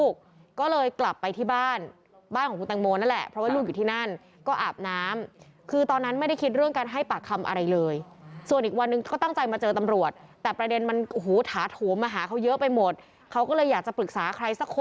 ก็เป็นห่วงลูก